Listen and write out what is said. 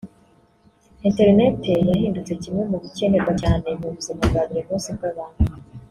interineti yahindutse kimwe mu bikenerwa cyane mu buzima bwa buri munsi bw’abantu